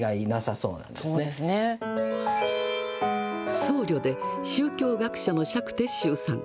僧侶で宗教学者の釈徹宗さん。